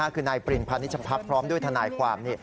คือนายปรินพาณิชพักพร้อมด้วยทนายความ